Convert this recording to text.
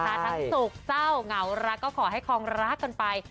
ทั้งโศกเศร้าเหงารักก็ขอให้คองรักกันไป